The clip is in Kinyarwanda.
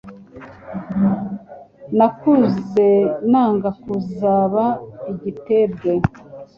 Nakuze nanga kuzaba igitebwe